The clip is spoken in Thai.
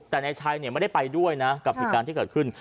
แต่นายชัยไม่ได้ไปด้วยนะกับเหตุการณ์ที่เกิดขึ้น